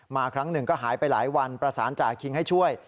ครั้งหนึ่งก็หายไปหลายวันประสานจ่าคิงให้ช่วย